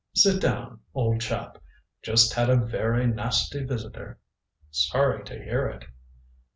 "Sit down, old chap. Just had a very nasty visitor." "Sorry to hear it."